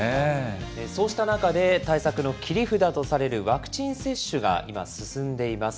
そうした中で、対策の切り札とされるワクチン接種が今、進んでいます。